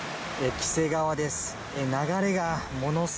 黄瀬川です。